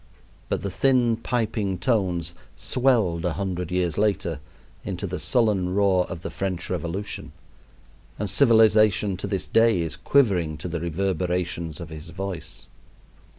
But the thin, piping tones swelled a hundred years later into the sullen roar of the French Revolution, and civilization to this day is quivering to the reverberations of his voice.